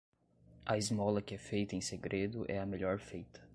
A esmola que é feita em segredo é a melhor feita.